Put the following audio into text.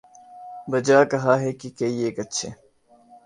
'بجا کہا کہ کئی ایک اچھے